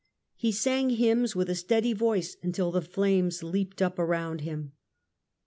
He sang hymns with a steady voice until the flames leapt up around him.